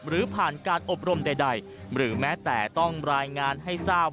หรือผ่านการอบรมใดหรือแม้แต่ต้องรายงานให้ทราบ